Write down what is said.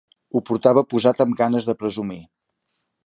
Ho portava posat amb ganes de presumir.